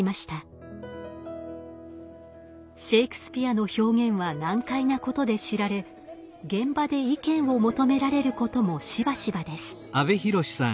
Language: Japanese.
シェイクスピアの表現は難解なことで知られ現場で意見を求められることもしばしばです。